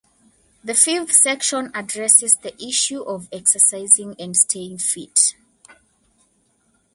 The fifth section addresses the issue of exercising and staying fit.